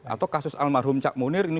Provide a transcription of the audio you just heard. atau kasus almarhum cak munir ini